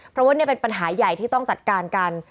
เพราะว่านี่เป็นปัญหาใหญ่ที่ต้องจัดการกัน